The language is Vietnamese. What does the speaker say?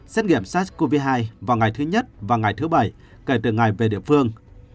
xét nghiệm sars cov hai vào ngày thứ nhất và ngày thứ bảy kể từ ngày về địa phương